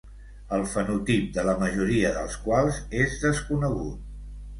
El fenotip de la majoria dels quals és desconegut.